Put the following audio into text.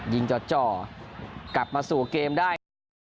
ยิงจอดจ่อกลับมาสู่เกมได้